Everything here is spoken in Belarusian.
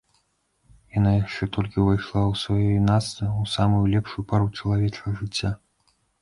Яна яшчэ толькі ўвайшла ў сваё юнацтва, у самую лепшую пару чалавечага жыцця.